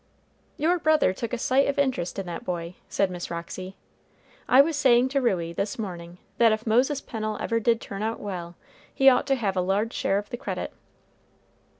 "Your brother took a sight of interest in that boy," said Miss Roxy. "I was saying to Ruey, this morning, that if Moses Pennel ever did turn out well, he ought to have a large share of the credit."